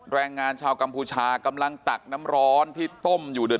แรงงานชาวกัมพูชากำลังตักน้ำร้อนที่ต้มอยู่เดือด